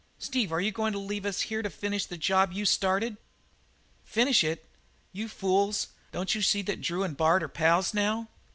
"Steve, are you goin' to leave us here to finish the job you started?" "Finish it? You fools! Don't you see that Drew and Bard is pals now?